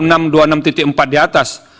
yang mungkin dapat dimunculkan